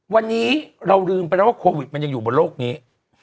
วันนี้เราลืมไปแล้วว่าโควิดมันยังอยู่บนโลกนี้